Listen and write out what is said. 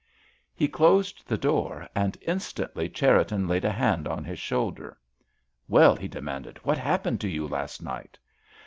He closed the door, and instantly Cherriton laid a hand on his shoulder. "Well," he demanded, "what happened to you last night."